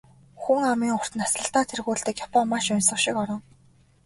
Хүн амын урт наслалтаар тэргүүлдэг Япон маш оньсого шиг орон.